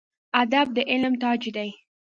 ادب د علم تاج دی